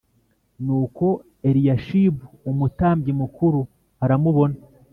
nuko eliyashibu umutambyi mukuru aramubona